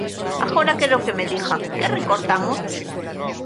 Agora quero que me diga: ¿que recortamos?